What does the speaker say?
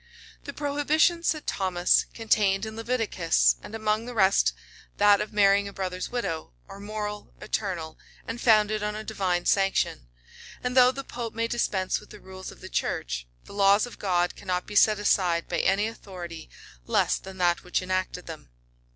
The prohibitions, said Thomas, contained in Leviticus, and among the rest that of marrying a brother's widow, are moral, eternal, and founded on a divine sanction; and though the pope may dispense with the rules of the church, the laws of God cannot be set aside by any authority less than that which enacted them.